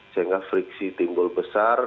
sehingga friksi timbul besar